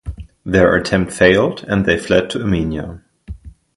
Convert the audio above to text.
Their attempt failed, and they fled to Armenia.